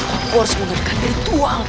aku harus menggunakan ritual